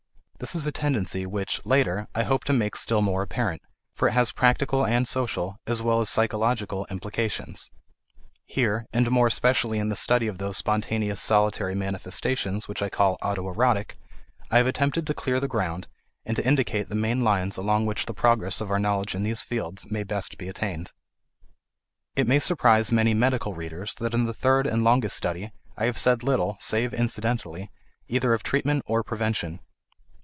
This is a tendency which, later, I hope to make still more apparent, for it has practical and social, as well as psychological, implications. Here and more especially in the study of those spontaneous solitary manifestations which I call auto erotic I have attempted to clear the ground, and to indicate the main lines along which the progress of our knowledge in these fields may best be attained. It may surprise many medical readers that in the third and longest study I have said little, save incidentally, either of treatment or prevention.